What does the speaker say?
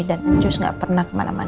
dan ncus gak pernah kemana mana